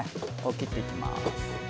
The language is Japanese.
切っていきます